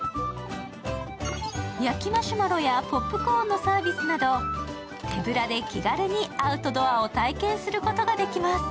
焼きマシュマロやポップコーンのサービスなど手ぶらで気軽にアウトドアを体験することができます。